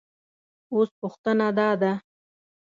اوس پوښتنه دا ده